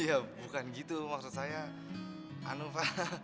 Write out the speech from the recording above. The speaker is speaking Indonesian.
iya bukan gitu maksud saya anu pak